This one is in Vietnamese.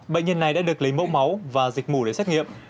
bệnh nhân này đã được lấy mẫu máu và dịch vụ để xét nghiệm